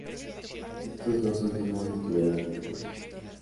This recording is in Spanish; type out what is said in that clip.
Estos dos últimos estuvieron en el juicio.